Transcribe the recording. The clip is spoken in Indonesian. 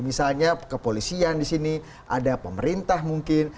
misalnya kepolisian di sini ada pemerintah mungkin